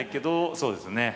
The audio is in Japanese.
そうですね。